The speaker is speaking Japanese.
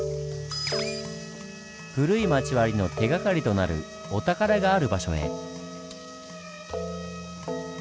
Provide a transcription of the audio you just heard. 古い町割の手がかりとなるお宝がある場所へ。